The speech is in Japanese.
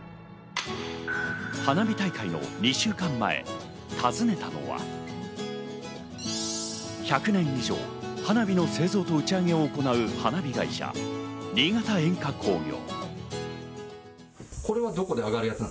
花火大会の２週間前、訪ねたのは、１００年以上花火の製造と打ち上げを行う花火会社・新潟煙火工業。